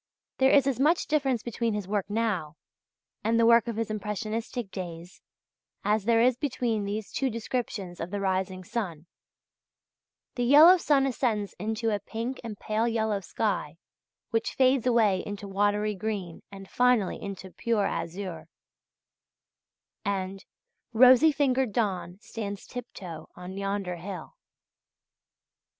There is as much difference between his work now and the work of his impressionistic days as there is between these two descriptions of the rising sun: (1) "The yellow sun ascends into a pink and pale yellow sky which fades away into watery green and finally into a pure azure," and (2), "Rosy fingered dawn stands tip toe on yonder hill."